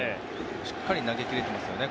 しっかり投げ切れてますよね。